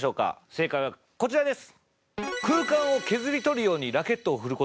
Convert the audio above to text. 正解はこちらです。